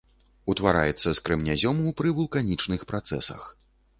Утвараецца з крэменязёму пры вулканічных працэсах.